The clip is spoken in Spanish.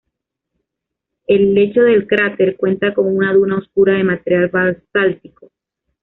El lecho del cráter cuenta con una duna oscura de material basáltico.